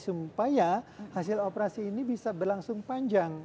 supaya hasil operasi ini bisa berlangsung panjang